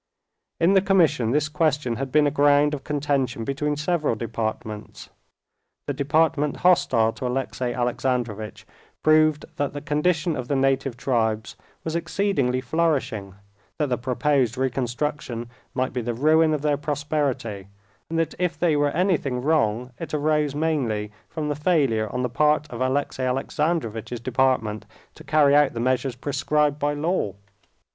In the commission this question had been a ground of contention between several departments. The department hostile to Alexey Alexandrovitch proved that the condition of the native tribes was exceedingly flourishing, that the proposed reconstruction might be the ruin of their prosperity, and that if there were anything wrong, it arose mainly from the failure on the part of Alexey Alexandrovitch's department to carry out the measures prescribed by law.